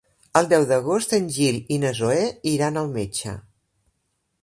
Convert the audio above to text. El deu d'agost en Gil i na Zoè iran al metge.